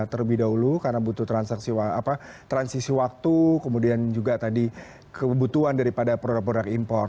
terlebih dahulu karena butuh transisi waktu kemudian juga tadi kebutuhan daripada produk produk impor